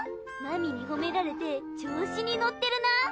真美に褒められて調子に乗ってるな。